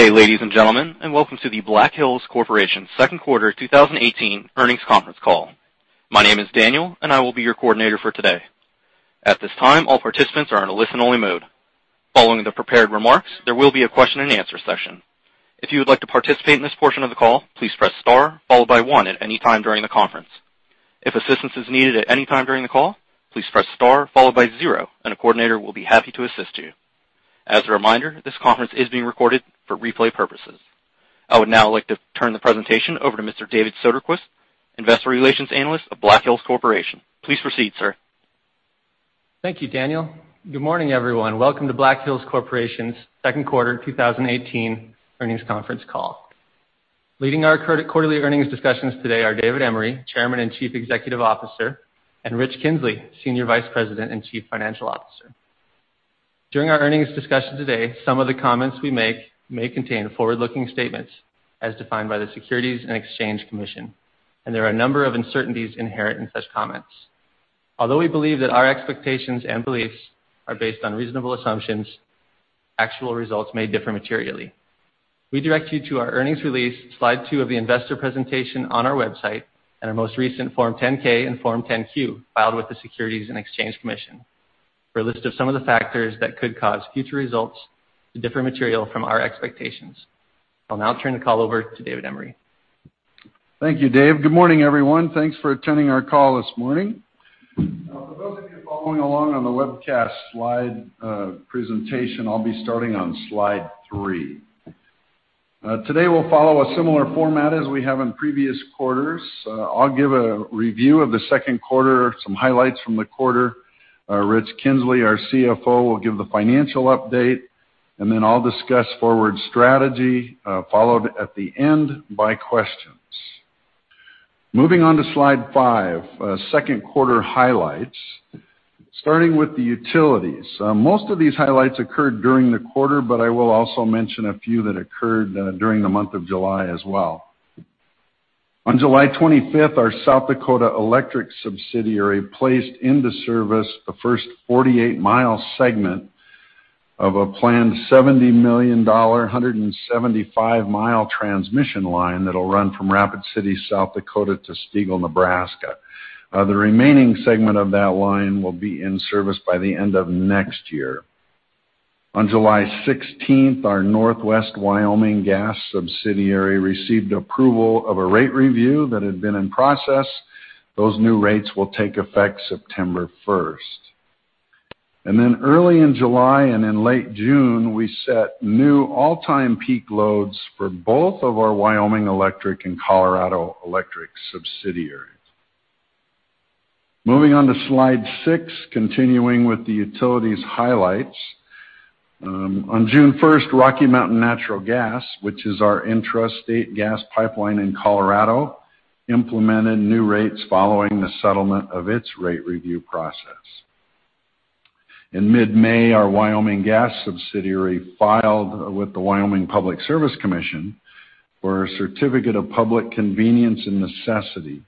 Good day, ladies and gentlemen, welcome to the Black Hills Corporation second quarter 2018 earnings conference call. My name is Daniel, I will be your coordinator for today. At this time, all participants are in a listen-only mode. Following the prepared remarks, there will be a question and answer session. If you would like to participate in this portion of the call, please press star followed by one at any time during the conference. If assistance is needed at any time during the call, please press star followed by zero, a coordinator will be happy to assist you. As a reminder, this conference is being recorded for replay purposes. I would now like to turn the presentation over to Mr. Dave Soderquist, Investor Relations of Black Hills Corporation. Please proceed, sir. Thank you, Daniel. Good morning, everyone. Welcome to Black Hills Corporation's second quarter 2018 earnings conference call. Leading our quarterly earnings discussions today are David Emery, Chairman and Chief Executive Officer, Rich Kinzley, Senior Vice President and Chief Financial Officer. During our earnings discussion today, some of the comments we make may contain forward-looking statements as defined by the Securities and Exchange Commission, there are a number of uncertainties inherent in such comments. Although we believe that our expectations and beliefs are based on reasonable assumptions, actual results may differ materially. We direct you to our earnings release, slide two of the investor presentation on our website, our most recent Form 10-K and Form 10-Q filed with the Securities and Exchange Commission for a list of some of the factors that could cause future results to differ material from our expectations. I'll now turn the call over to David Emery. Thank you, Dave. Good morning, everyone. Thanks for attending our call this morning. For those of you following along on the webcast slide presentation, I'll be starting on slide three. Today, we'll follow a similar format as we have in previous quarters. I'll give a review of the second quarter, some highlights from the quarter. Rich Kinzley, our CFO, will give the financial update, I'll discuss forward strategy, followed at the end by questions. Moving on to slide five, second quarter highlights. Starting with the utilities. Most of these highlights occurred during the quarter, I will also mention a few that occurred during the month of July as well. On July 25th, our South Dakota Electric subsidiary placed into service the first 48-mile segment of a planned $70 million, 175-mile transmission line that'll run from Rapid City, South Dakota to Stegall, Nebraska. The remaining segment of that line will be in service by the end of next year. On July 16th, our Northwest Wyoming Gas subsidiary received approval of a rate review that had been in process. Those new rates will take effect September 1st. Then early in July and in late June, we set new all-time peak loads for both of our Wyoming Electric and Colorado Electric subsidiaries. Moving on to slide six, continuing with the utilities highlights. On June 1st, Rocky Mountain Natural Gas, which is our intrastate gas pipeline in Colorado, implemented new rates following the settlement of its rate review process. In mid-May, our Wyoming Gas subsidiary filed with the Wyoming Public Service Commission for a certificate of public convenience and necessity.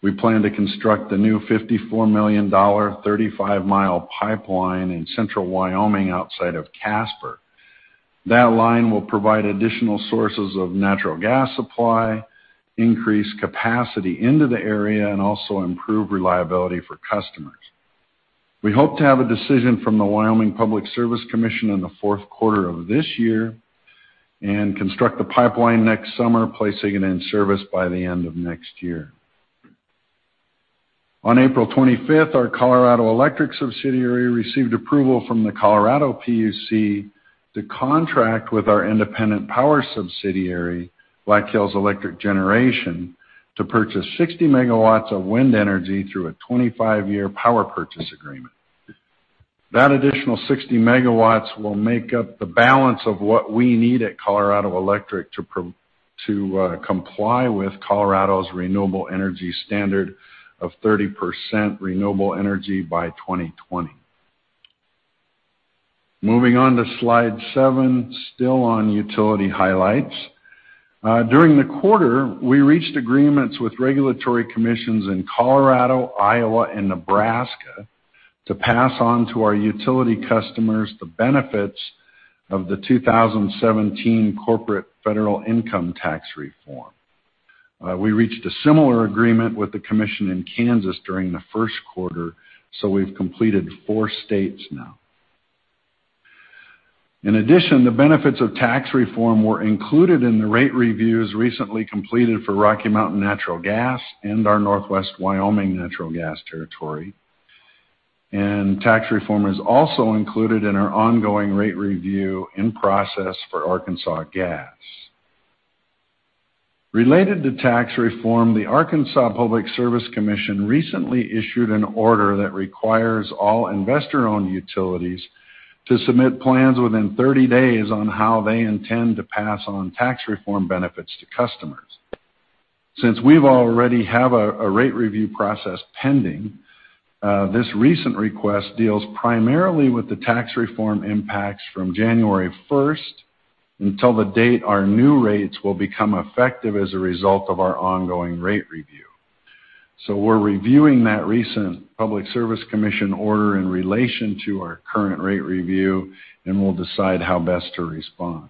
We plan to construct a new $54 million, 35-mile pipeline in central Wyoming outside of Casper. That line will provide additional sources of natural gas supply, increase capacity into the area, and also improve reliability for customers. We hope to have a decision from the Wyoming Public Service Commission in the fourth quarter of this year and construct the pipeline next summer, placing it in service by the end of next year. On April 25th, our Colorado Electric subsidiary received approval from the Colorado PUC to contract with our independent power subsidiary, Black Hills Electric Generation, to purchase 60 megawatts of wind energy through a 25-year power purchase agreement. That additional 60 megawatts will make up the balance of what we need at Colorado Electric to comply with Colorado's renewable energy standard of 30% renewable energy by 2020. Moving on to slide seven, still on utility highlights. During the quarter, we reached agreements with regulatory commissions in Colorado, Iowa, and Nebraska to pass on to our utility customers the benefits of the 2017 corporate federal income tax reform. We reached a similar agreement with the commission in Kansas during the first quarter, so we've completed four states now. In addition, the benefits of tax reform were included in the rate reviews recently completed for Rocky Mountain Natural Gas and our Northwest Wyoming Natural Gas territory. Tax reform is also included in our ongoing rate review in process for Arkansas Gas. Related to tax reform, the Arkansas Public Service Commission recently issued an order that requires all investor-owned utilities to submit plans within 30 days on how they intend to pass on tax reform benefits to customers. Since we've already have a rate review process pending, this recent request deals primarily with the tax reform impacts from January 1st until the date our new rates will become effective as a result of our ongoing rate review. We're reviewing that recent Public Service Commission order in relation to our current rate review, and we'll decide how best to respond.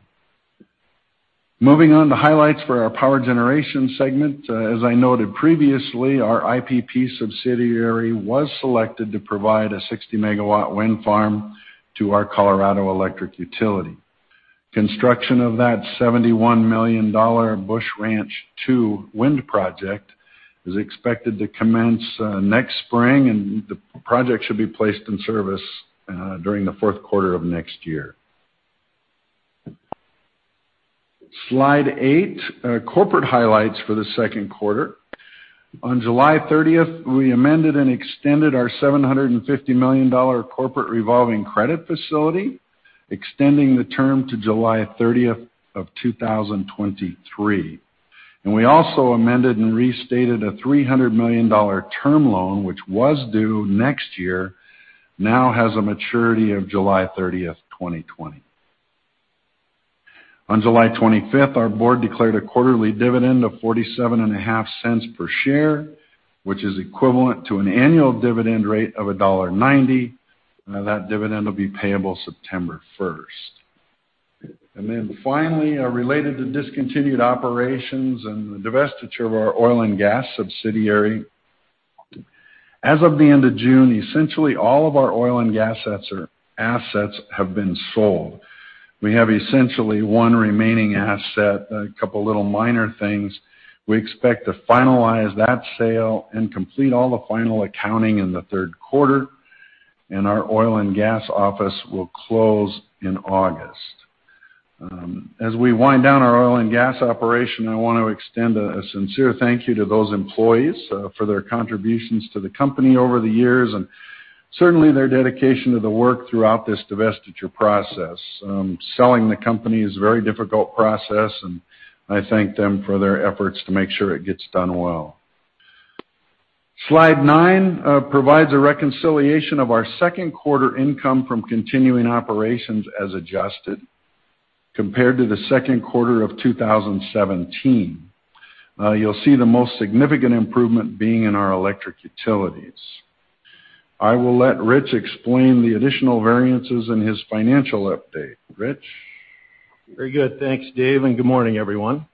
Moving on to highlights for our power generation segment. As I noted previously, our IPP subsidiary was selected to provide a 60-megawatt wind farm to our Colorado Electric utility. Construction of that $71 million Busch Ranch II wind project is expected to commence next spring, and the project should be placed in service during the fourth quarter of next year. Slide eight. Corporate highlights for the second quarter. On July 30th, we amended and extended our $750 million corporate revolving credit facility, extending the term to July 30th of 2023. We also amended and restated a $300 million term loan, which was due next year, now has a maturity of July 30th, 2020. On July 25th, our board declared a quarterly dividend of $0.475 per share, which is equivalent to an annual dividend rate of $1.90. That dividend will be payable September 1st. Finally, related to discontinued operations and the divestiture of our oil and gas subsidiary. As of the end of June, essentially all of our oil and gas assets have been sold. We have essentially one remaining asset, a couple of little minor things. We expect to finalize that sale and complete all the final accounting in the third quarter, and our oil and gas office will close in August. As we wind down our oil and gas operation, I want to extend a sincere thank you to those employees for their contributions to the company over the years, and certainly their dedication to the work throughout this divestiture process. Selling the company is a very difficult process, and I thank them for their efforts to make sure it gets done well. Slide nine provides a reconciliation of our second quarter income from continuing operations as adjusted compared to the second quarter of 2017. You'll see the most significant improvement being in our electric utilities. I will let Rich explain the additional variances in his financial update. Rich? Very good. Thanks, Dave, and good morning, everyone.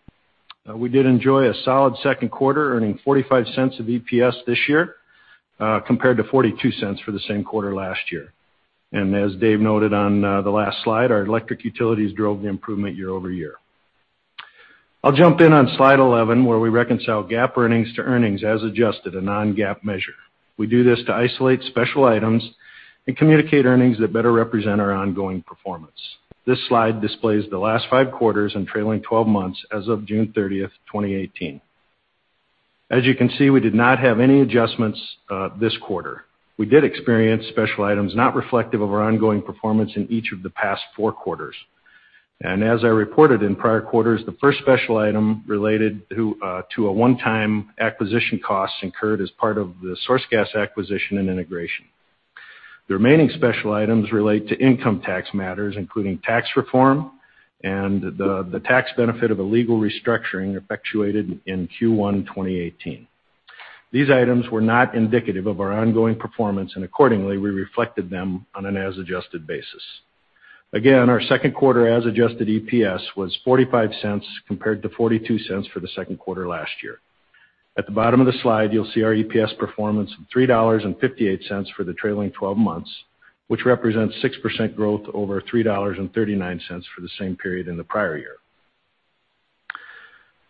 We did enjoy a solid second quarter, earning $0.45 of EPS this year, compared to $0.42 for the same quarter last year. As Dave noted on the last slide, our electric utilities drove the improvement year-over-year. I'll jump in on slide 11, where we reconcile GAAP earnings to earnings as adjusted, a non-GAAP measure. We do this to isolate special items and communicate earnings that better represent our ongoing performance. This slide displays the last five quarters and trailing 12 months as of June 30th, 2018. As you can see, we did not have any adjustments this quarter. We did experience special items not reflective of our ongoing performance in each of the past four quarters. As I reported in prior quarters, the first special item related to a one-time acquisition cost incurred as part of the SourceGas acquisition and integration. The remaining special items relate to income tax matters, including tax reform and the tax benefit of a legal restructuring effectuated in Q1 2018. These items were not indicative of our ongoing performance, and accordingly, we reflected them on an as adjusted basis. Again, our second quarter as adjusted EPS was $0.45 compared to $0.42 for the second quarter last year. At the bottom of the slide, you'll see our EPS performance of $3.58 for the trailing 12 months, which represents 6% growth over $3.39 for the same period in the prior year.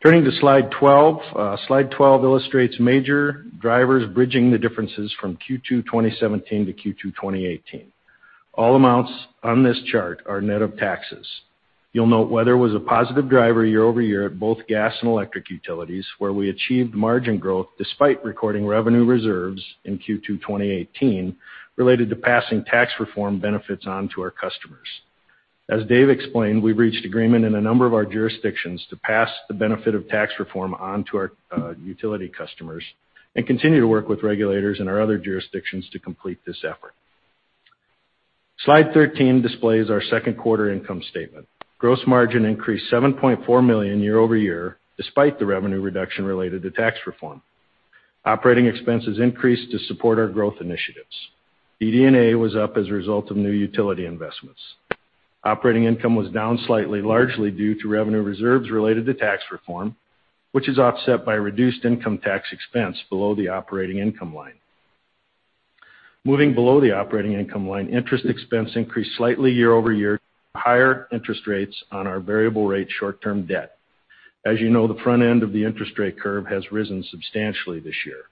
Turning to slide 12. Slide 12 illustrates major drivers bridging the differences from Q2 2017 to Q2 2018. All amounts on this chart are net of taxes. You'll note weather was a positive driver year-over-year at both gas and electric utilities, where we achieved margin growth despite recording revenue reserves in Q2 2018 related to passing tax reform benefits on to our customers. As Dave explained, we've reached agreement in a number of our jurisdictions to pass the benefit of tax reform on to our utility customers and continue to work with regulators in our other jurisdictions to complete this effort. Slide 13 displays our second quarter income statement. Gross margin increased $7.4 million year-over-year, despite the revenue reduction related to tax reform. Operating expenses increased to support our growth initiatives. DD&A was up as a result of new utility investments. Operating income was down slightly, largely due to revenue reserves related to tax reform, which is offset by reduced income tax expense below the operating income line. Moving below the operating income line, interest expense increased slightly year-over-year due to higher interest rates on our variable rate short-term debt. As you know, the front end of the interest rate curve has risen substantially this year.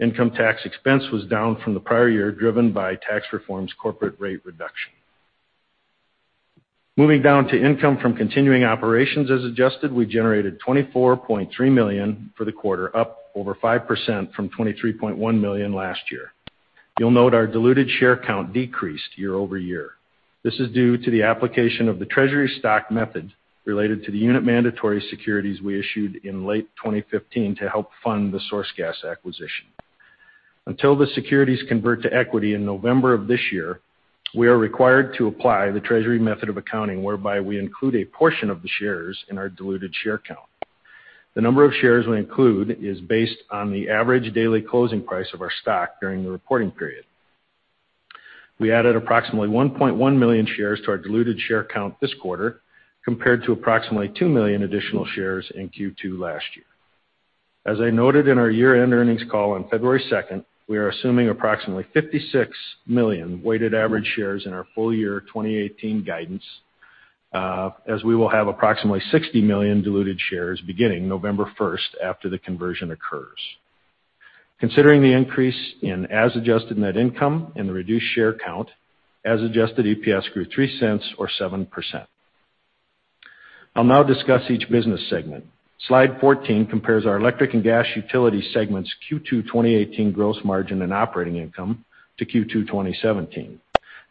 Income tax expense was down from the prior year, driven by tax reform's corporate rate reduction. Moving down to income from continuing operations as adjusted, we generated $24.3 million for the quarter, up over 5% from $23.1 million last year. You'll note our diluted share count decreased year-over-year. This is due to the application of the treasury stock method related to the unit mandatory securities we issued in late 2015 to help fund the SourceGas acquisition. Until the securities convert to equity in November of this year, we are required to apply the treasury method of accounting, whereby we include a portion of the shares in our diluted share count. The number of shares we include is based on the average daily closing price of our stock during the reporting period. We added approximately 1.1 million shares to our diluted share count this quarter, compared to approximately 2 million additional shares in Q2 last year. As I noted in our year-end earnings call on February 2nd, we are assuming approximately 56 million weighted average shares in our full year 2018 guidance, as we will have approximately 60 million diluted shares beginning November 1st, after the conversion occurs. Considering the increase in as-adjusted net income and the reduced share count, as-adjusted EPS grew $0.03 or 7%. I'll now discuss each business segment. Slide 14 compares our electric and gas utility segment's Q2 2018 gross margin and operating income to Q2 2017.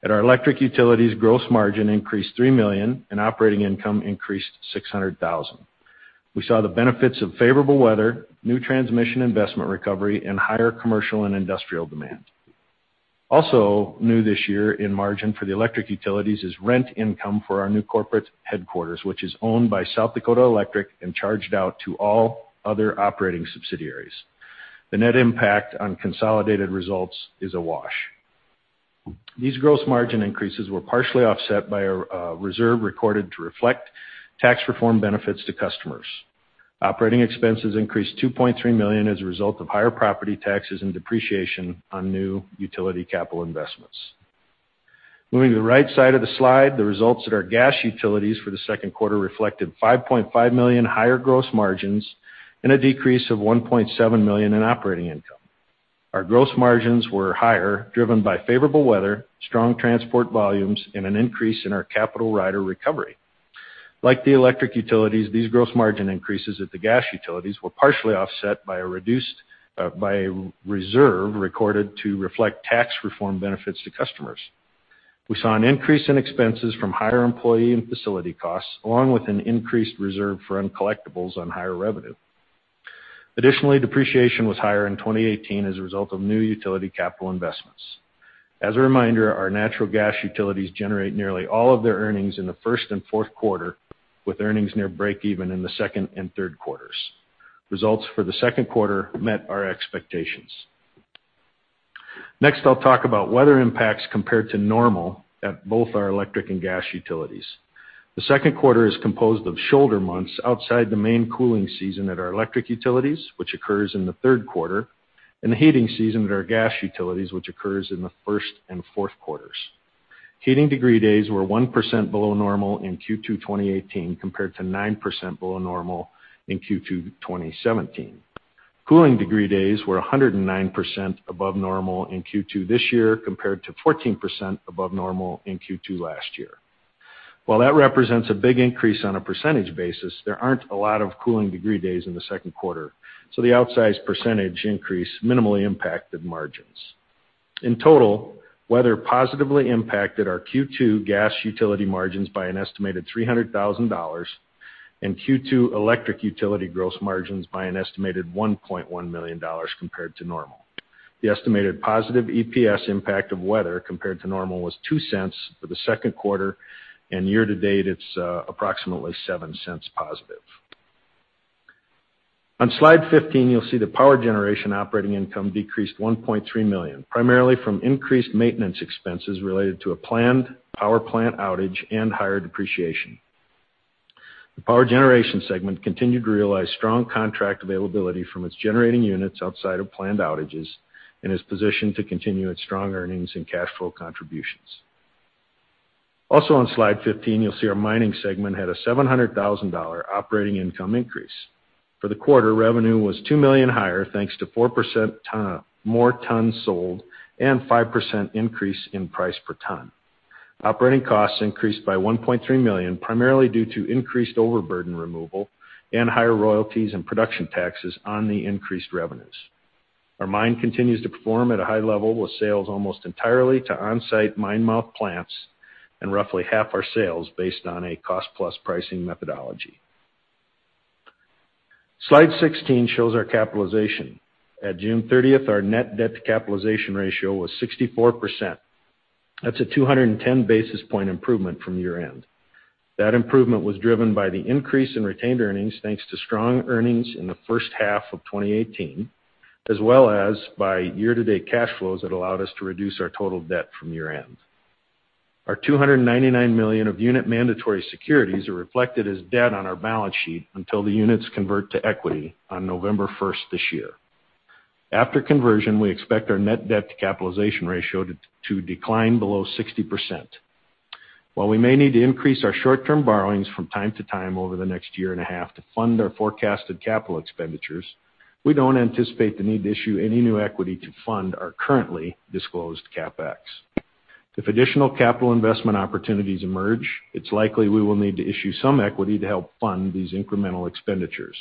At our electric utilities, gross margin increased $3 million and operating income increased $600,000. We saw the benefits of favorable weather, new transmission investment recovery, and higher commercial and industrial demand. Also new this year in margin for the electric utilities is rent income for our new corporate headquarters, which is owned by South Dakota Electric and charged out to all other operating subsidiaries. The net impact on consolidated results is a wash. These gross margin increases were partially offset by a reserve recorded to reflect tax reform benefits to customers. Operating expenses increased $2.3 million as a result of higher property taxes and depreciation on new utility capital investments. Moving to the right side of the slide, the results at our gas utilities for the second quarter reflected $5.5 million higher gross margins and a decrease of $1.7 million in operating income. Our gross margins were higher, driven by favorable weather, strong transport volumes, and an increase in our capital rider recovery. Like the electric utilities, these gross margin increases at the gas utilities were partially offset by a reserve recorded to reflect tax reform benefits to customers. We saw an increase in expenses from higher employee and facility costs, along with an increased reserve for uncollectibles on higher revenue. Additionally, depreciation was higher in 2018 as a result of new utility capital investments. As a reminder, our natural gas utilities generate nearly all of their earnings in the first and fourth quarter, with earnings near breakeven in the second and third quarters. Results for the second quarter met our expectations. Next, I'll talk about weather impacts compared to normal at both our electric and gas utilities. The second quarter is composed of shoulder months outside the main cooling season at our electric utilities, which occurs in the third quarter, and the heating season at our gas utilities, which occurs in the first and fourth quarters. Heating degree days were 1% below normal in Q2 2018 compared to 9% below normal in Q2 2017. Cooling degree days were 109% above normal in Q2 this year compared to 14% above normal in Q2 last year. While that represents a big increase on a percentage basis, there aren't a lot of cooling degree days in the second quarter, so the outsized percentage increase minimally impacted margins. In total, weather positively impacted our Q2 gas utility margins by an estimated $300,000 and Q2 electric utility gross margins by an estimated $1.1 million compared to normal. The estimated positive EPS impact of weather compared to normal was $0.02 for the second quarter, and year-to-date, it's approximately $0.07 positive. On slide 15, you'll see the power generation operating income decreased $1.3 million, primarily from increased maintenance expenses related to a planned power plant outage and higher depreciation. The power generation segment continued to realize strong contract availability from its generating units outside of planned outages and is positioned to continue its strong earnings and cash flow contributions. Also on Slide 15, you'll see our mining segment had a $700,000 operating income increase. For the quarter, revenue was $2 million higher, thanks to 4% more tons sold and 5% increase in price per ton. Operating costs increased by $1.3 million, primarily due to increased overburden removal and higher royalties and production taxes on the increased revenues. Our mine continues to perform at a high level with sales almost entirely to on-site mine mouth plants and roughly half our sales based on a cost-plus pricing methodology. Slide 16 shows our capitalization. At June 30th, our net debt to capitalization ratio was 64%. That's a 210-basis point improvement from year-end. That improvement was driven by the increase in retained earnings, thanks to strong earnings in the first half of 2018, as well as by year-to-date cash flows that allowed us to reduce our total debt from year-end. Our $299 million of unit mandatory securities are reflected as debt on our balance sheet until the units convert to equity on November 1st this year. After conversion, we expect our net debt to capitalization ratio to decline below 60%. While we may need to increase our short-term borrowings from time to time over the next year and a half to fund our forecasted capital expenditures, we don't anticipate the need to issue any new equity to fund our currently disclosed CapEx. If additional capital investment opportunities emerge, it's likely we will need to issue some equity to help fund these incremental expenditures.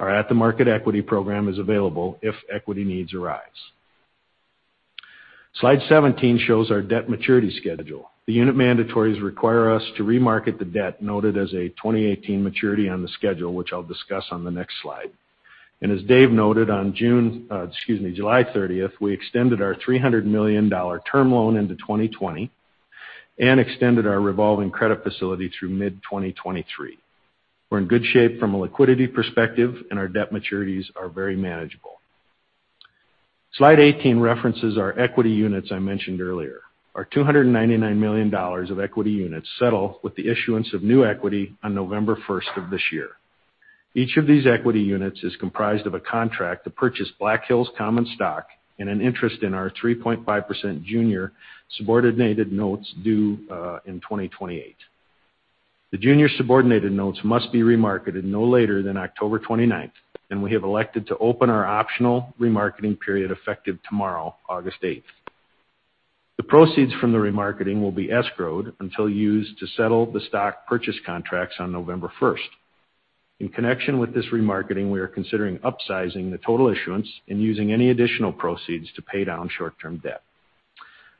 Our at-the-market equity program is available if equity needs arise. Slide 17 shows our debt maturity schedule. The unit mandatories require us to remarket the debt noted as a 2018 maturity on the schedule, which I'll discuss on the next slide. As Dave noted on July 30th, we extended our $300 million term loan into 2020 and extended our revolving credit facility through mid-2023. We're in good shape from a liquidity perspective. Our debt maturities are very manageable. Slide 18 references our equity units I mentioned earlier. Our $299 million of equity units settle with the issuance of new equity on November 1st of this year. Each of these equity units is comprised of a contract to purchase Black Hills common stock and an interest in our 3.5% junior subordinated notes due in 2028. The junior subordinated notes must be remarketed no later than October 29th. We have elected to open our optional remarketing period effective tomorrow, August 8th. The proceeds from the remarketing will be escrowed until used to settle the stock purchase contracts on November 1st. In connection with this remarketing, we are considering upsizing the total issuance and using any additional proceeds to pay down short-term debt.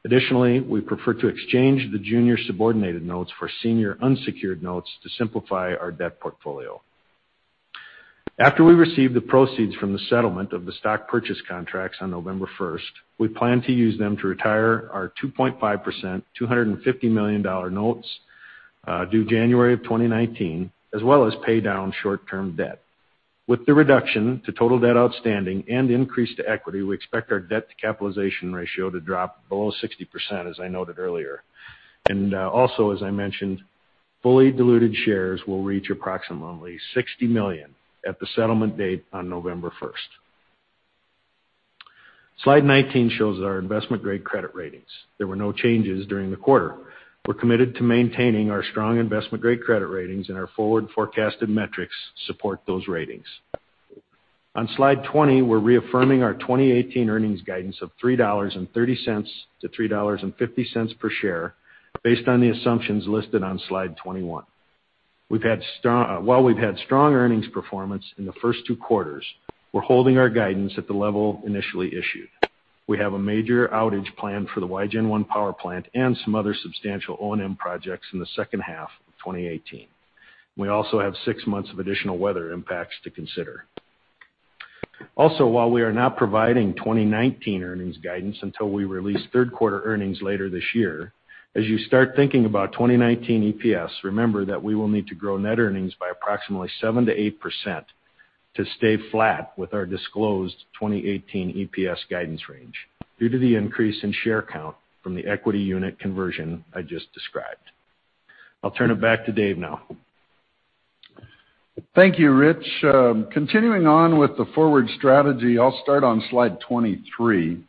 Additionally, we prefer to exchange the junior subordinated notes for senior unsecured notes to simplify our debt portfolio. After we receive the proceeds from the settlement of the stock purchase contracts on November 1st, we plan to use them to retire our 2.5%, $250 million notes due January of 2019, as well as pay down short-term debt. With the reduction to total debt outstanding and increase to equity, we expect our debt-to-capitalization ratio to drop below 60%, as I noted earlier. Also, as I mentioned, fully diluted shares will reach approximately 60 million at the settlement date on November 1st. Slide 19 shows our investment-grade credit ratings. There were no changes during the quarter. We're committed to maintaining our strong investment-grade credit ratings. Our forward forecasted metrics support those ratings. On Slide 20, we're reaffirming our 2018 earnings guidance of $3.30-$3.50 per share based on the assumptions listed on Slide 21. While we've had strong earnings performance in the first two quarters, we're holding our guidance at the level initially issued. We have a major outage plan for the Wygen I power plant and some other substantial O&M projects in the second half of 2018. We also have six months of additional weather impacts to consider. While we are not providing 2019 earnings guidance until we release third-quarter earnings later this year, as you start thinking about 2019 EPS, remember that we will need to grow net earnings by approximately 7%-8% to stay flat with our disclosed 2018 EPS guidance range due to the increase in share count from the equity unit conversion I just described. I'll turn it back to Dave now. Thank you, Rich. Continuing on with the forward strategy, I'll start on slide 23.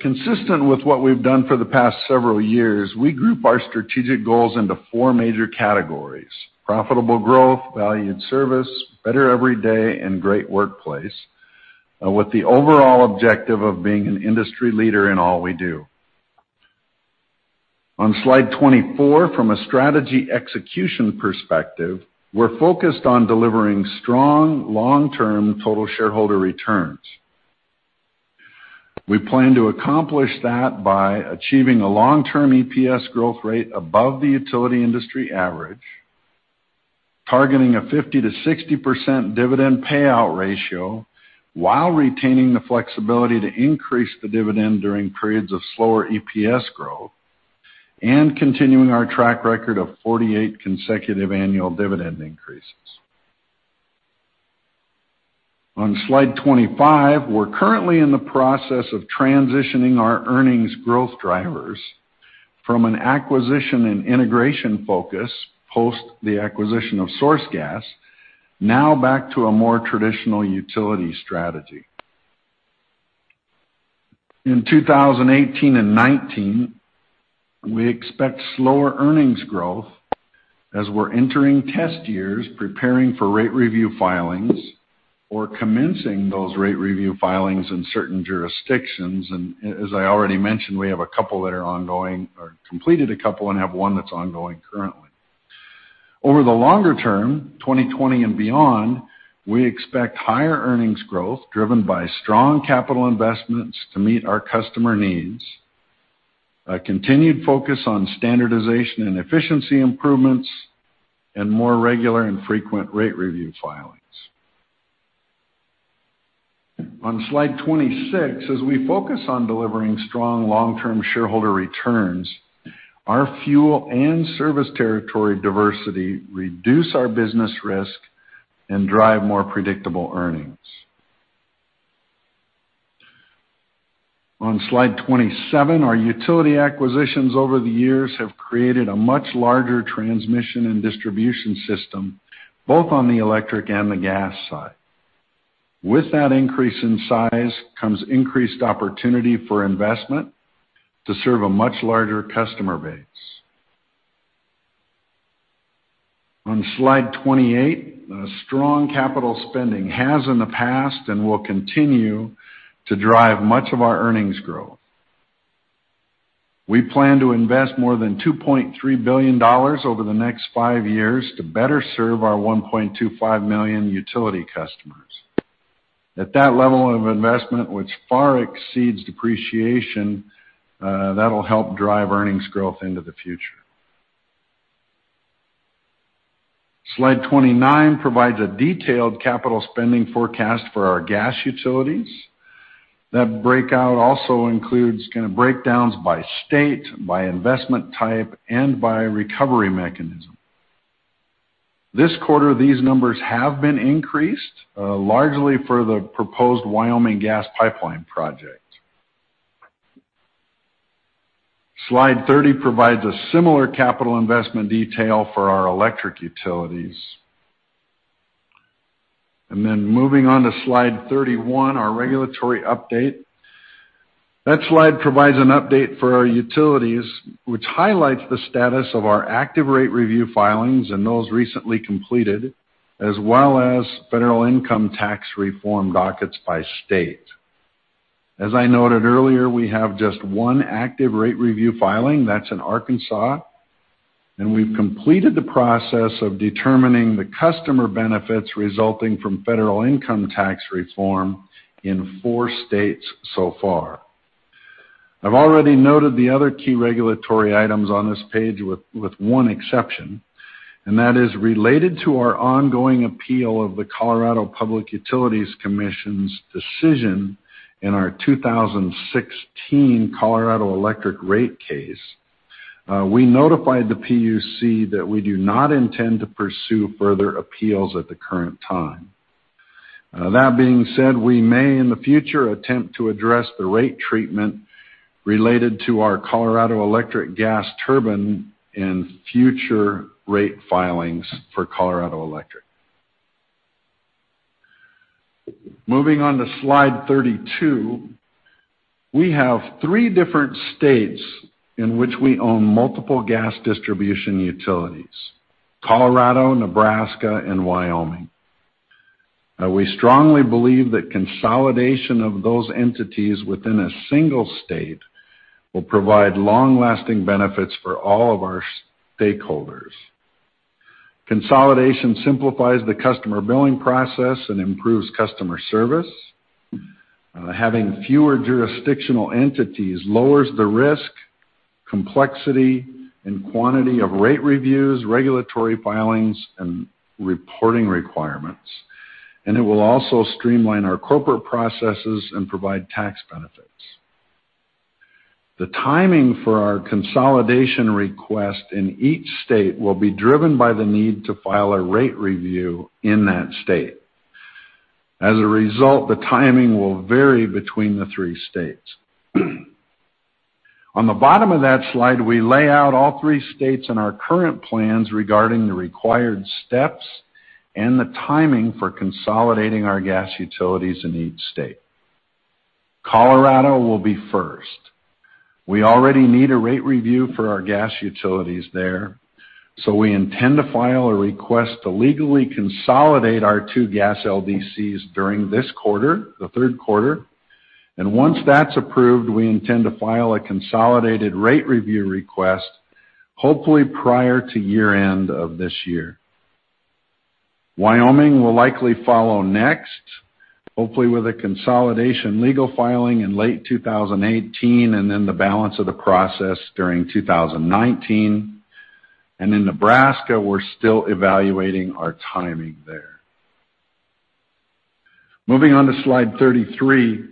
Consistent with what we've done for the past several years, we group our strategic goals into four major categories: profitable growth, valued service, better every day, and great workplace, with the overall objective of being an industry leader in all we do. On slide 24, from a strategy execution perspective, we're focused on delivering strong long-term total shareholder returns. We plan to accomplish that by achieving a long-term EPS growth rate above the utility industry average, targeting a 50%-60% dividend payout ratio while retaining the flexibility to increase the dividend during periods of slower EPS growth, continuing our track record of 48 consecutive annual dividend increases. On slide 25, we're currently in the process of transitioning our earnings growth drivers from an acquisition and integration focus, post the acquisition of SourceGas, now back to a more traditional utility strategy. In 2018 and 2019, we expect slower earnings growth as we're entering test years preparing for rate review filings or commencing those rate review filings in certain jurisdictions, as I already mentioned, we have a couple that are ongoing or completed a couple and have one that's ongoing currently. Over the longer term, 2020 and beyond, we expect higher earnings growth driven by strong capital investments to meet our customer needs, a continued focus on standardization and efficiency improvements, and more regular and frequent rate review filings. On slide 26, as we focus on delivering strong long-term shareholder returns, our fuel and service territory diversity reduce our business risk and drive more predictable earnings. On slide 27, our utility acquisitions over the years have created a much larger transmission and distribution system, both on the electric and the gas side. With that increase in size comes increased opportunity for investment to serve a much larger customer base. On slide 28, strong capital spending has in the past and will continue to drive much of our earnings growth. We plan to invest more than $2.3 billion over the next five years to better serve our 1.25 million utility customers. At that level of investment, which far exceeds depreciation, that will help drive earnings growth into the future. Slide 29 provides a detailed capital spending forecast for our gas utilities. That breakout also includes kind of breakdowns by state, by investment type, and by recovery mechanism. This quarter, these numbers have been increased, largely for the proposed Wyoming gas pipeline project. Slide 30 provides a similar capital investment detail for our electric utilities. Moving on to slide 31, our regulatory update. That slide provides an update for our utilities, which highlights the status of our active rate review filings and those recently completed, as well as federal income tax reform dockets by state. As I noted earlier, we have just one active rate review filing, that's in Arkansas, we've completed the process of determining the customer benefits resulting from federal income tax reform in four states so far. I've already noted the other key regulatory items on this page with one exception. That is related to our ongoing appeal of the Colorado Public Utilities Commission's decision in our 2016 Colorado electric rate case. We notified the PUC that we do not intend to pursue further appeals at the current time. That being said, we may, in the future, attempt to address the rate treatment related to our Colorado Electric gas turbine in future rate filings for Colorado Electric. Moving on to slide 32. We have three different states in which we own multiple gas distribution utilities: Colorado, Nebraska, and Wyoming. We strongly believe that consolidation of those entities within a single state will provide long-lasting benefits for all of our stakeholders. Consolidation simplifies the customer billing process and improves customer service. Having fewer jurisdictional entities lowers the risk, complexity, and quantity of rate reviews, regulatory filings, and reporting requirements, and it will also streamline our corporate processes and provide tax benefits. The timing for our consolidation request in each state will be driven by the need to file a rate review in that state. As a result, the timing will vary between the three states. On the bottom of that slide, we lay out all three states and our current plans regarding the required steps and the timing for consolidating our gas utilities in each state. Colorado will be first. We already need a rate review for our gas utilities there. We intend to file a request to legally consolidate our two gas LDCs during this quarter, the third quarter. Once that's approved, we intend to file a consolidated rate review request, hopefully prior to year-end of this year. Wyoming will likely follow next, hopefully with a consolidation legal filing in late 2018 and then the balance of the process during 2019. In Nebraska, we're still evaluating our timing there. Moving on to slide 33.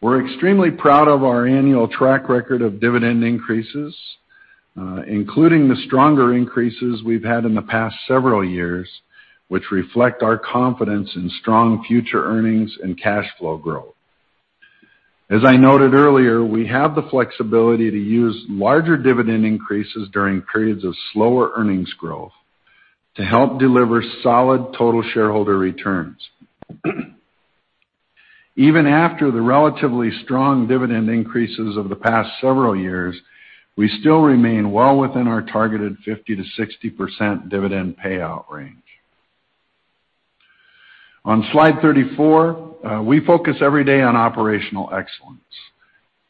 We're extremely proud of our annual track record of dividend increases, including the stronger increases we've had in the past several years, which reflect our confidence in strong future earnings and cash flow growth. As I noted earlier, we have the flexibility to use larger dividend increases during periods of slower earnings growth to help deliver solid total shareholder returns. Even after the relatively strong dividend increases of the past several years, we still remain well within our targeted 50%-60% dividend payout range. On slide 34, we focus every day on operational excellence.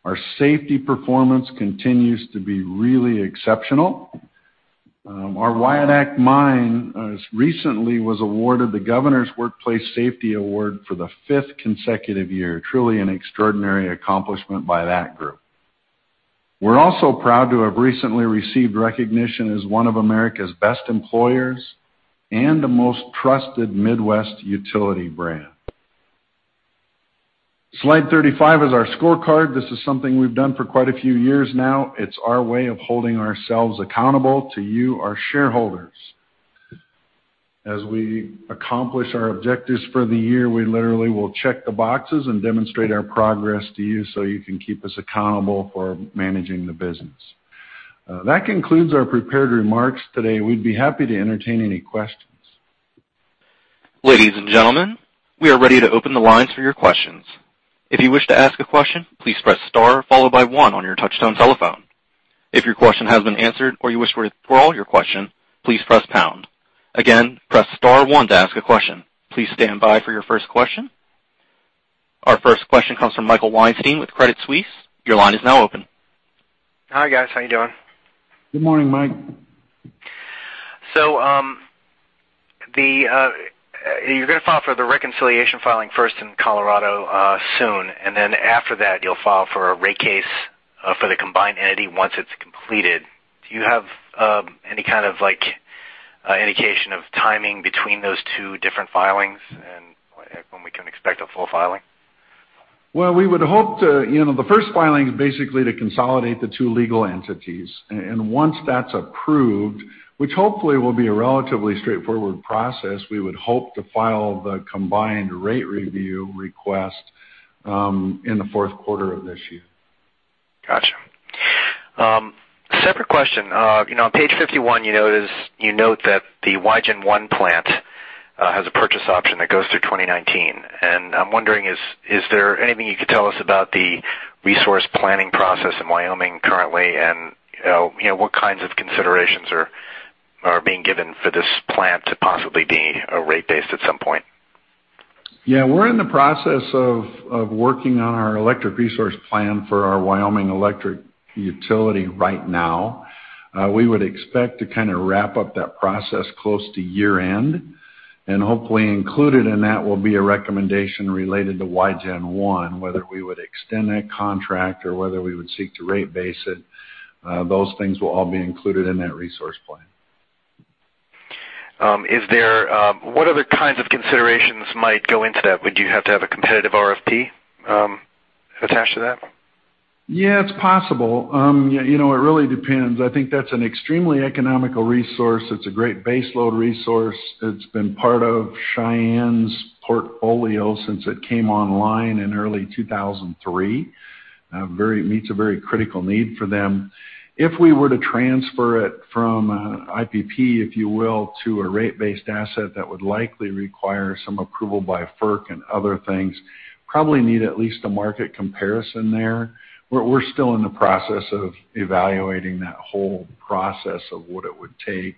Our safety performance continues to be really exceptional. Our Wyodak Mine recently was awarded the Governor's Safety Award for the fifth consecutive year. Truly an extraordinary accomplishment by that group. We're also proud to have recently received recognition as one of America's best employers and a most trusted Midwest utility brand. Slide 35 is our scorecard. This is something we've done for quite a few years now. It's our way of holding ourselves accountable to you, our shareholders. As we accomplish our objectives for the year, we literally will check the boxes and demonstrate our progress to you so you can keep us accountable for managing the business. That concludes our prepared remarks today. We'd be happy to entertain any questions. Ladies and gentlemen, we are ready to open the lines for your questions. If you wish to ask a question, please press star followed by one on your touch-tone telephone. If your question has been answered or you wish to withdraw your question, please press pound. Again, press star one to ask a question. Please stand by for your first question. Our first question comes from Michael Weinstein with Credit Suisse. Your line is now open. Hi, guys. How you doing? Good morning, Mike. You're going to file for the reconciliation filing first in Colorado soon, and then after that, you'll file for a rate case for the combined entity once it's completed. Do you have any kind of indication of timing between those two different filings and when we can expect a full filing? Well, we would hope. The first filing is basically to consolidate the two legal entities, once that's approved, which hopefully will be a relatively straightforward process, we would hope to file the combined rate review request in the fourth quarter of this year. Got you. Separate question. On page 51, you note that the Wygen 1 plant has a purchase option that goes through 2019. I'm wondering, is there anything you could tell us about the resource planning process in Wyoming currently, and what kinds of considerations are being given for this plant to possibly be rate-based at some point? Yeah. We're in the process of working on our electric resource plan for our Wyoming Electric utility right now. We would expect to kind of wrap up that process close to year-end, hopefully included in that will be a recommendation related to Wygen 1, whether we would extend that contract or whether we would seek to rate base it. Those things will all be included in that resource plan. What other kinds of considerations might go into that? Would you have to have a competitive RFP attached to that? Yeah, it's possible. It really depends. I think that's an extremely economical resource. It's a great baseload resource. It's been part of Cheyenne's portfolio since it came online in early 2003. Meets a very critical need for them. If we were to transfer it from IPP, if you will, to a rate-based asset, that would likely require some approval by FERC and other things. Probably need at least a market comparison there. We're still in the process of evaluating that whole process of what it would take.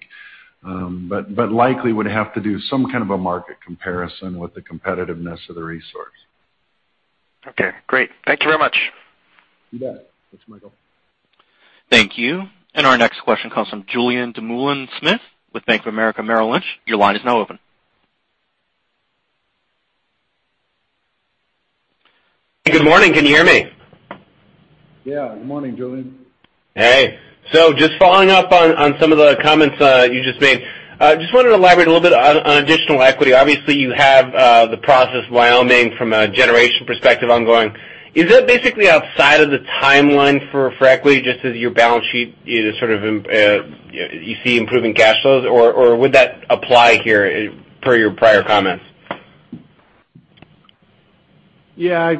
Likely would have to do some kind of a market comparison with the competitiveness of the resource. Okay, great. Thank you very much. You bet. Thanks, Michael. Thank you. Our next question comes from Julien Dumoulin-Smith with Bank of America Merrill Lynch. Your line is now open. Good morning. Can you hear me? Yeah. Good morning, Julien. Hey. Just following up on some of the comments you just made. Just wanted to elaborate a little bit on additional equity. Obviously, you have the process Wyoming from a generation perspective ongoing. Is that basically outside of the timeline for equity, just as your balance sheet, you see improving cash flows, or would that apply here per your prior comments? Yeah.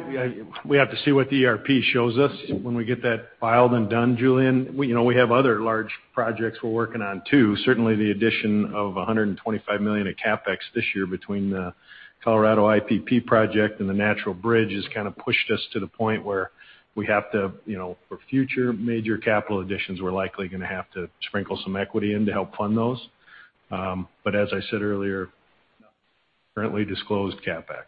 We have to see what the IRP shows us when we get that filed and done, Julien. We have other large projects we're working on, too. Certainly, the addition of $125 million of CapEx this year between the Colorado IPP project and the Natural Bridge has kind of pushed us to the point where we have to, for future major capital additions, we're likely going to have to sprinkle some equity in to help fund those. As I said earlier, currently disclosed CapEx.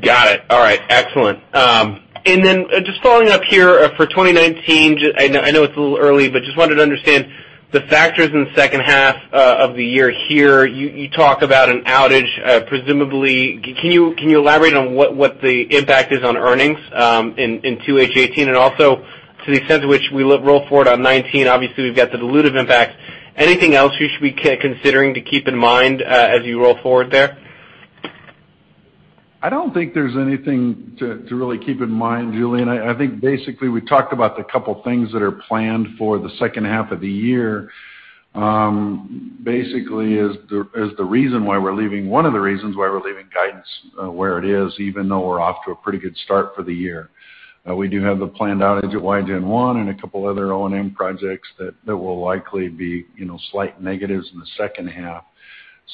Got it. All right, excellent. Following up here for 2019, I know it's a little early, but just wanted to understand the factors in the second half of the year here. You talk about an outage, presumably. Can you elaborate on what the impact is on earnings in 2H18 and also to the extent to which we roll forward on '19? Obviously, we've got the dilutive impact. Anything else you should be considering to keep in mind as you roll forward there? I don't think there's anything to really keep in mind, Julien. I think basically we talked about the couple of things that are planned for the second half of the year. Basically is one of the reasons why we're leaving guidance where it is, even though we're off to a pretty good start for the year. We do have the planned outage at Wygen 1 and a couple other O&M projects that will likely be slight negatives in the second half.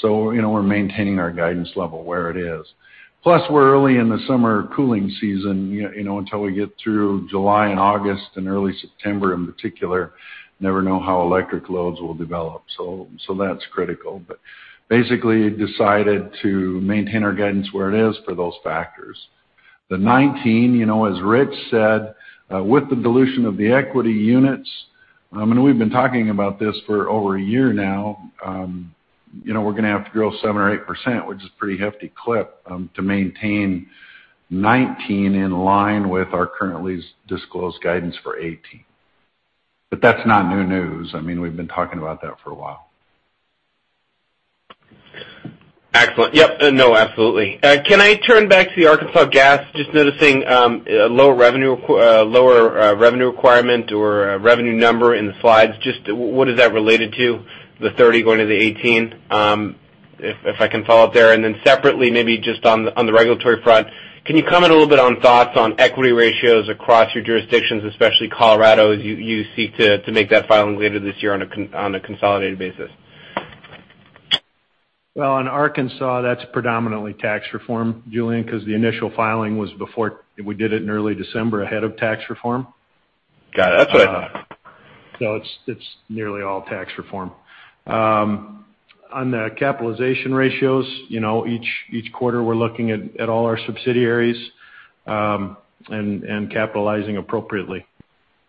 We're maintaining our guidance level where it is. We're early in the summer cooling season. Until we get through July and August and early September, in particular, never know how electric loads will develop. That's critical. Basically, decided to maintain our guidance where it is for those factors. The '19, as Rich said, with the dilution of the equity units, we've been talking about this for over one year now. We're going to have to grow 7% or 8%, which is a pretty hefty clip, to maintain '19 in line with our currently disclosed guidance for '18. That's not new news. We've been talking about that for a while. Excellent. Yep. No, absolutely. Can I turn back to the Arkansas gas? Just noticing a lower revenue requirement or a revenue number in the slides. Just what is that related to, the 30 going to the 18? If I can follow up there. Separately, maybe just on the regulatory front, can you comment a little bit on thoughts on equity ratios across your jurisdictions, especially Colorado, as you seek to make that filing later this year on a consolidated basis? Well, in Arkansas, that's predominantly tax reform, Julien, because the initial filing was before. We did it in early December ahead of tax reform. Got it. It's nearly all tax reform. On the capitalization ratios, each quarter we're looking at all our subsidiaries, and capitalizing appropriately.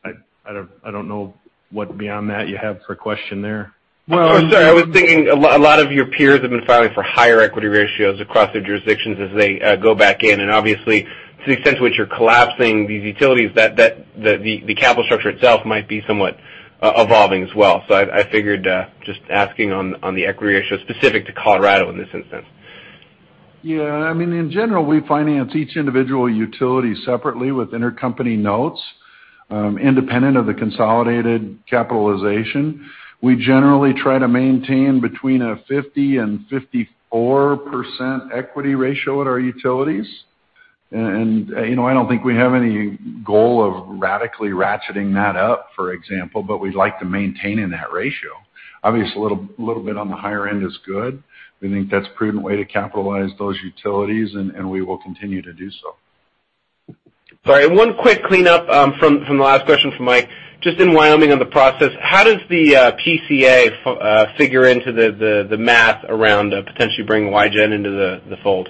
I don't know what beyond that you have for a question there. Oh, sorry. I was thinking a lot of your peers have been filing for higher equity ratios across the jurisdictions as they go back in, and obviously to the extent to which you're collapsing these utilities, the capital structure itself might be somewhat evolving as well. I figured just asking on the equity ratio specific to Colorado in this instance. Yeah. In general, we finance each individual utility separately with intercompany notes, independent of the consolidated capitalization. We generally try to maintain between a 50% and 54% equity ratio at our utilities. I don't think we have any goal of radically ratcheting that up, for example, but we'd like to maintain in that ratio. Obviously, a little bit on the higher end is good. We think that's a prudent way to capitalize those utilities, and we will continue to do so. Sorry, one quick cleanup from the last question from Mike, just in Wyoming on the process, how does the PCCA figure into the math around potentially bringing Wygen into the fold?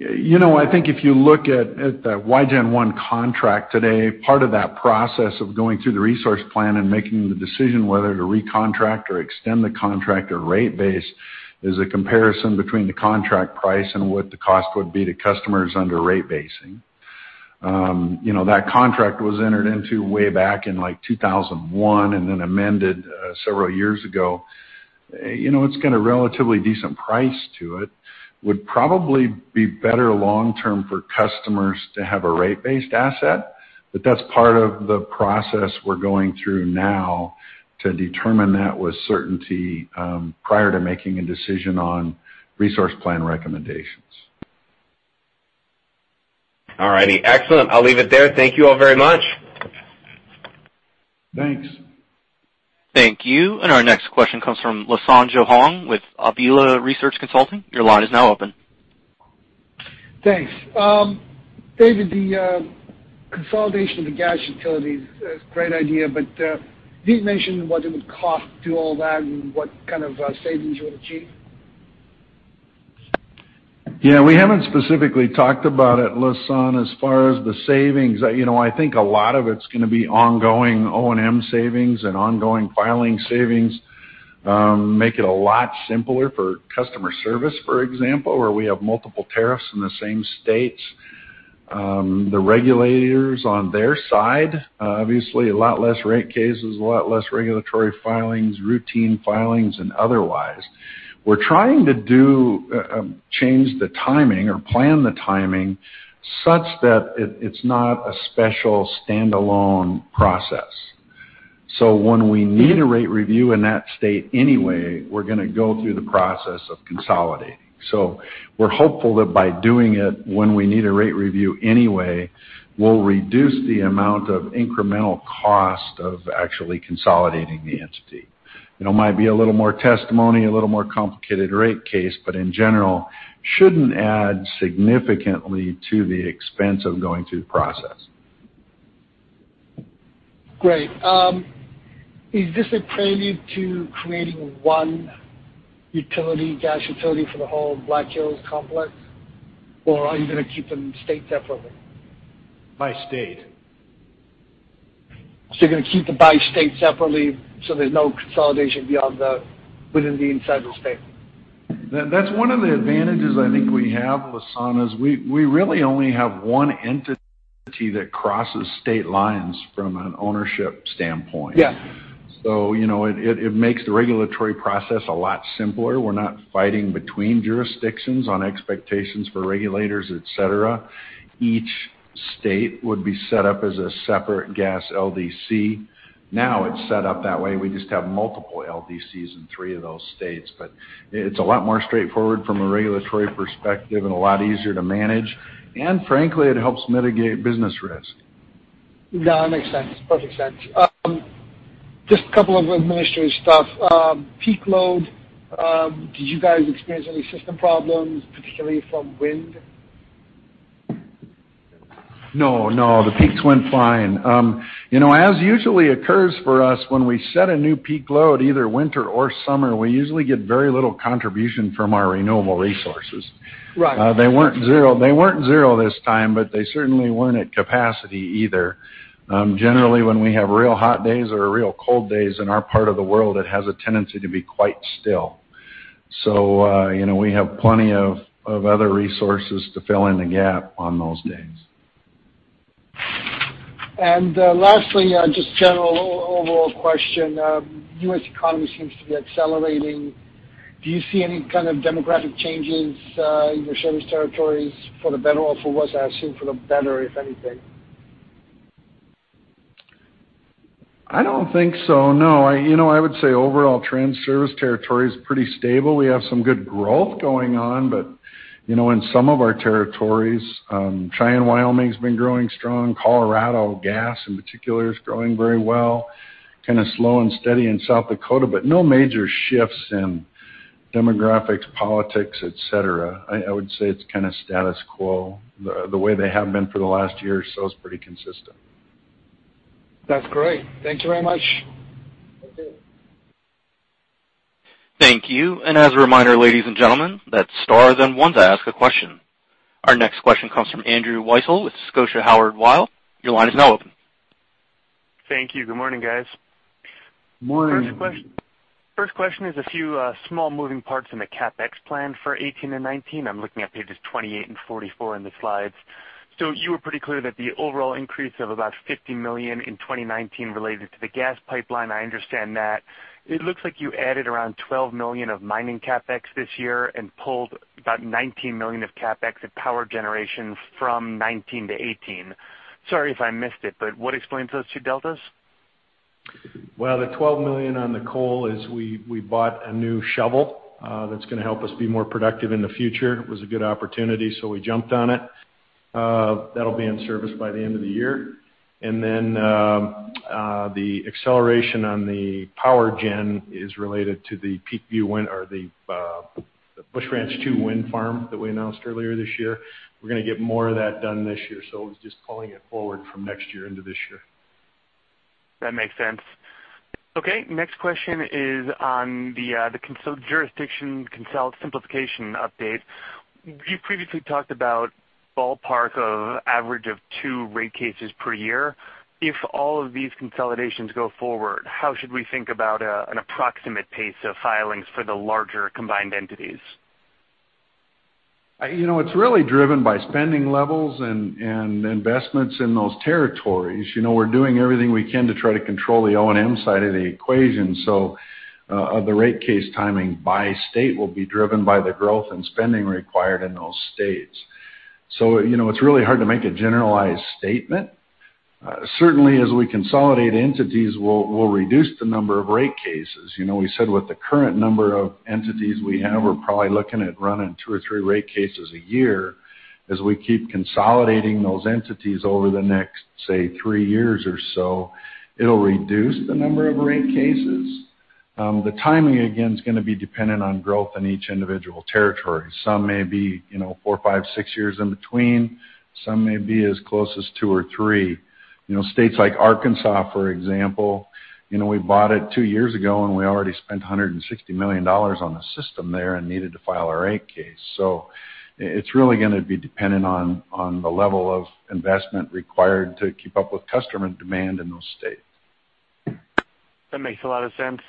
I think if you look at the Wygen I contract today, part of that process of going through the resource plan and making the decision whether to recontract or extend the contract or rate base is a comparison between the contract price and what the cost would be to customers under rate basing. That contract was entered into way back in 2001 and then amended several years ago. It's got a relatively decent price to it. Would probably be better long term for customers to have a rate-based asset. That's part of the process we're going through now to determine that with certainty, prior to making a decision on resource plan recommendations. All righty. Excellent. I'll leave it there. Thank you all very much. Thanks. Thank you. Our next question comes from Lasan Johong with Auvila Research Consulting. Your line is now open. Thanks. David, the consolidation of the gas utilities, great idea, did you mention what it would cost to do all that and what kind of savings you would achieve? Yeah, we haven't specifically talked about it, Lassane. As far as the savings, I think a lot of it's going to be ongoing O&M savings and ongoing filing savings, make it a lot simpler for customer service, for example, where we have multiple tariffs in the same states. The regulators on their side, obviously a lot less rate cases, a lot less regulatory filings, routine filings, and otherwise. We're trying to change the timing or plan the timing such that it's not a special standalone process. When we need a rate review in that state anyway, we're going to go through the process of consolidating. We're hopeful that by doing it when we need a rate review anyway, we'll reduce the amount of incremental cost of actually consolidating the entity. It might be a little more testimony, a little more complicated rate case, in general, shouldn't add significantly to the expense of going through the process. Great. Is this a prelude to creating one gas utility for the whole Black Hills complex, or are you going to keep them state separately? By state. You're going to keep it by state separately, so there's no consolidation within the inside of the state. That's one of the advantages I think we have, Lassane, is we really only have one entity that crosses state lines from an ownership standpoint. Yeah. It makes the regulatory process a lot simpler. We're not fighting between jurisdictions on expectations for regulators, et cetera. Each state would be set up as a separate gas LDC. Now it's set up that way. We just have multiple LDCs in three of those states. It's a lot more straightforward from a regulatory perspective and a lot easier to manage. Frankly, it helps mitigate business risk. Makes sense. Perfect sense. Just a couple of administrative stuff. Peak load, did you guys experience any system problems, particularly from wind? The peaks went fine. As usually occurs for us, when we set a new peak load, either winter or summer, we usually get very little contribution from our renewable resources. Right. They weren't zero this time, they certainly weren't at capacity either. Generally, when we have real hot days or real cold days in our part of the world, it has a tendency to be quite still. We have plenty of other resources to fill in the gap on those days. Lastly, just general overall question. U.S. economy seems to be accelerating. Do you see any kind of demographic changes in your service territories for the better or for worse? I assume for the better, if anything. I don't think so, no. I would say overall trend service territory is pretty stable. We have some good growth going on, but in some of our territories, Cheyenne, Wyoming's been growing strong. Colorado, gas in particular, is growing very well. Kind of slow and steady in South Dakota, but no major shifts in demographics, politics, et cetera. I would say it's kind of status quo. The way they have been for the last year or so is pretty consistent. That's great. Thank you very much. Thank you. Thank you. As a reminder, ladies and gentlemen, that's star then one to ask a question. Our next question comes from Andrew Weisel with Scotia Howard Weil. Your line is now open. Thank you. Good morning, guys. Morning. First question is a few small moving parts in the CapEx plan for 2018 and 2019. I'm looking at pages 28 and 44 in the slides. You were pretty clear that the overall increase of about $50 million in 2019 related to the gas pipeline, I understand that. It looks like you added around $12 million of mining CapEx this year and pulled about $19 million of CapEx at power generation from 2019 to 2018. Sorry if I missed it, but what explains those two deltas? Well, the $12 million on the coal is we bought a new shovel that's going to help us be more productive in the future. It was a good opportunity, so we jumped on it. That'll be in service by the end of the year. The acceleration on the power gen is related to the Peak View wind or the Busch Ranch II wind farm that we announced earlier this year. We're going to get more of that done this year, so it's just pulling it forward from next year into this year. That makes sense. Next question is on the jurisdiction consolidation simplification update. You previously talked about ballpark of average of two rate cases per year. If all of these consolidations go forward, how should we think about an approximate pace of filings for the larger combined entities? It's really driven by spending levels and investments in those territories. We're doing everything we can to try to control the O&M side of the equation, the rate case timing by state will be driven by the growth in spending required in those states. It's really hard to make a generalized statement. Certainly, as we consolidate entities, we'll reduce the number of rate cases. We said with the current number of entities we have, we're probably looking at running two or three rate cases a year. As we keep consolidating those entities over the next, say, three years or so, it'll reduce the number of rate cases. The timing, again, is going to be dependent on growth in each individual territory. Some may be four, five, six years in between. Some may be as close as two or three. States like Arkansas, for example, we bought it two years ago, we already spent $160 million on the system there and needed to file our rate case. It's really going to be dependent on the level of investment required to keep up with customer demand in those states. That makes a lot of sense.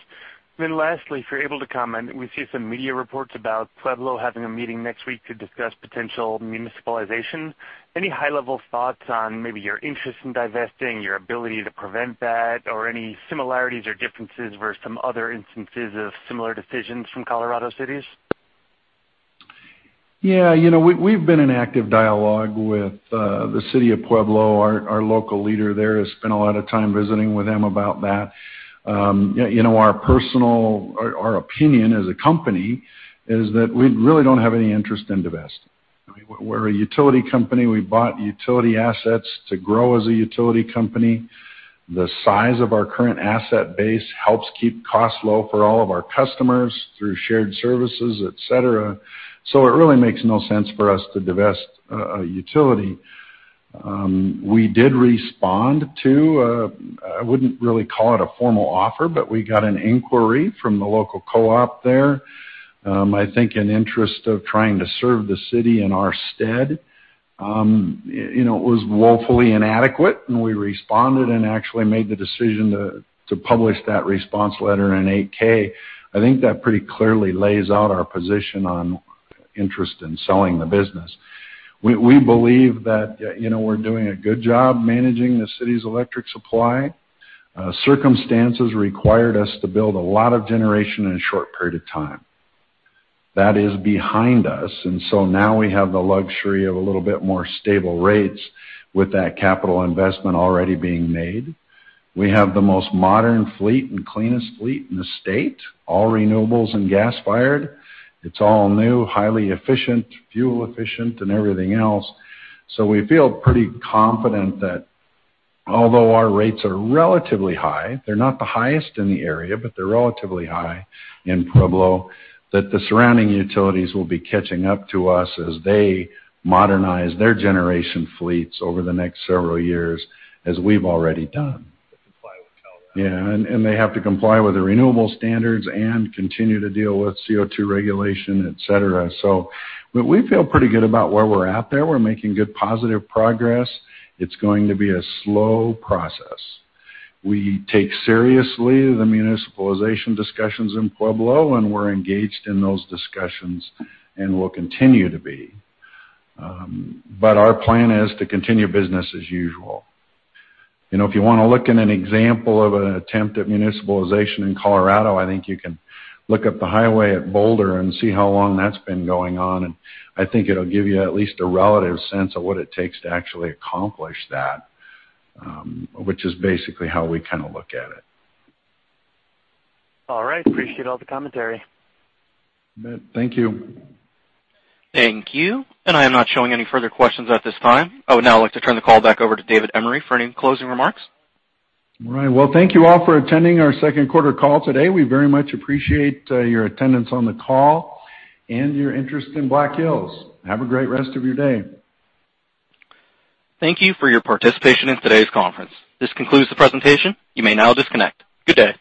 Lastly, if you're able to comment, we see some media reports about Pueblo having a meeting next week to discuss potential municipalization. Any high-level thoughts on maybe your interest in divesting, your ability to prevent that, or any similarities or differences versus some other instances of similar decisions from Colorado cities? Yeah. We've been in active dialogue with the City of Pueblo. Our local leader there has spent a lot of time visiting with them about that. Our opinion as a company is that we really don't have any interest in divesting. We're a utility company. We bought utility assets to grow as a utility company. The size of our current asset base helps keep costs low for all of our customers through shared services, et cetera. It really makes no sense for us to divest a utility. We did respond to a, I wouldn't really call it a formal offer, but we got an inquiry from the local co-op there, I think in interest of trying to serve the city in our stead. It was woefully inadequate, and we responded and actually made the decision to publish that response letter in an 8-K. I think that pretty clearly lays out our position on interest in selling the business. We believe that we're doing a good job managing the city's electric supply. Circumstances required us to build a lot of generation in a short period of time. That is behind us. Now we have the luxury of a little bit more stable rates with that capital investment already being made. We have the most modern fleet and cleanest fleet in the state, all renewables and gas-fired. It's all new, highly efficient, fuel efficient, and everything else. We feel pretty confident that although our rates are relatively high, they're not the highest in the area, but they're relatively high in Pueblo, that the surrounding utilities will be catching up to us as they modernize their generation fleets over the next several years, as we've already done. To comply with Colorado. They have to comply with the renewable standards and continue to deal with CO2 regulation, et cetera. We feel pretty good about where we're at there. We're making good, positive progress. It's going to be a slow process. We take seriously the municipalization discussions in Pueblo, and we're engaged in those discussions and will continue to be. Our plan is to continue business as usual. If you want to look at an example of an attempt at municipalization in Colorado, I think you can look up the highway at Boulder and see how long that's been going on, and I think it'll give you at least a relative sense of what it takes to actually accomplish that, which is basically how we kind of look at it. All right. Appreciate all the commentary. You bet. Thank you. Thank you. I am not showing any further questions at this time. I would now like to turn the call back over to David Emery for any closing remarks. All right. Well, thank you all for attending our second quarter call today. We very much appreciate your attendance on the call and your interest in Black Hills. Have a great rest of your day. Thank you for your participation in today's conference. This concludes the presentation. You may now disconnect. Good day.